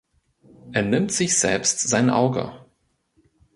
Er nimmt sich selbst sein Auge.